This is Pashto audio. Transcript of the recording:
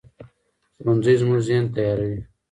ښوونځی زموږ ذهن تیاروي